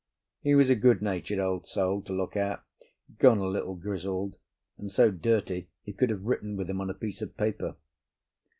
He was a good natured old soul to look at, gone a little grizzled, and so dirty you could have written with him on a piece of paper.